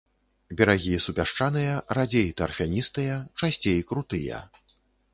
Берагі супясчаныя, радзей тарфяністыя, часцей крутыя.